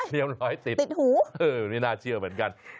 เงียบร้อยติดนี่น่าเชื่อเหมือนกันติดหู